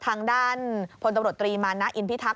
ทางด้านพลตำรวจตรีมานะอินพิทักษ